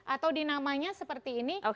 atau di namanya seperti ini